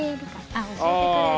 あ教えてくれる。